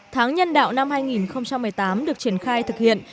tháng nhân đạo năm hai nghìn một mươi tám được triển khai thực hiện